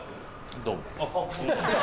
どうも。